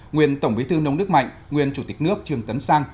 nguyên tổng bí thư nông đức mạnh nguyên chủ tịch nước trương tấn sang